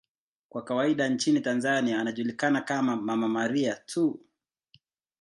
Kwa kawaida nchini Tanzania anajulikana kama 'Mama Maria' tu.